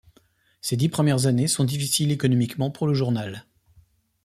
Ces dix premières années sont difficiles économiquement pour le journal.